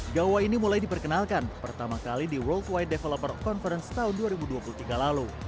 gawai ini mulai diperkenalkan pertama kali di world flight developer conference tahun dua ribu dua puluh tiga lalu